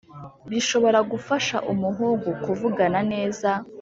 bishobora gufasha umuhungu kuvugana neza